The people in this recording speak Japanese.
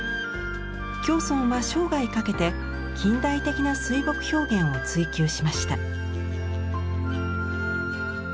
橋村は生涯かけて近代的な水墨表現を追求しました。